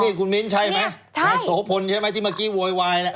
นี่คุณมิ้นใช่ไหมนายโสพลใช่ไหมที่เมื่อกี้โวยวายน่ะ